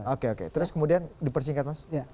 oke oke terus kemudian dipersingkat mas